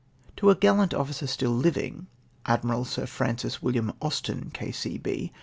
To a gallant officer still living, Admiral Sir Francis William Austen, K.C.B.